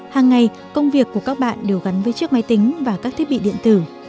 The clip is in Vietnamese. hàng ngày công việc của các bạn đều gắn với chiếc máy tính và các thiết bị điện tử